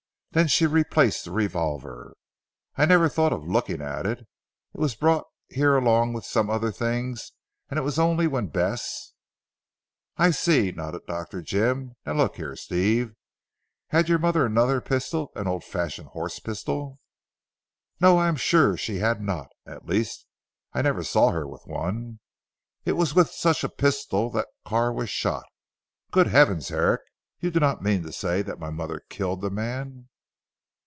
Then she replaced the revolver. I never thought of looking at it. It was brought here along with some other things and it was only when Bess " "I see," nodded Dr. Jim, "now look here Steve, had your mother another pistol an old fashioned horse pistol?" "No, I am sure she had not. At least, I never saw her with one. It was with such a pistol that Carr was shot. Good heavens Herrick, you do not mean to say that my mother killed the man."